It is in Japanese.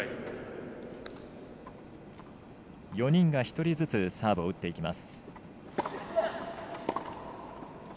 ４人が１人ずつサーブを打っていきます。